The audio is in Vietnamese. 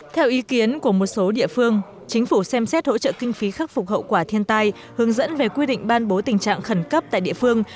theo ý kiến của một số địa phương chính phủ xem xét hỗ trợ kinh phí khắc phục hậu quả thiên tai hướng dẫn về quy định ban bố tình trạng khẩn cấp tại địa phương